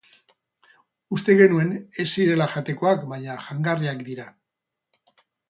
Uste genuen ez zirela jatekoak, baina jangarriak dira.